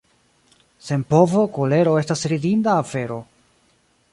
Sen povo kolero estas ridinda afero.